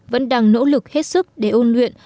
vẫn đang nỗ lực hết sức để ôn luyện